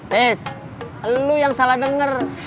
tes lu yang salah dengar